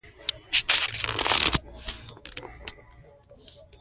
طبیعت د انسان احساسات اراموي